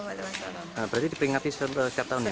berarti diperingati setiap tahun mbak